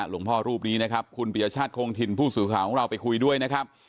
รูปนี้นะครับคุณปียชาติคงถิ่นผู้สื่อข่าวของเราไปคุยด้วยนะครับ